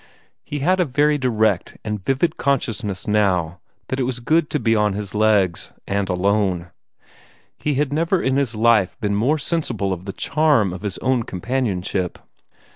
He had a very direct and vivid consciousness now that it was good to be on his legs, and alone. He had never in his life been more sensible of the charm of his own companionship.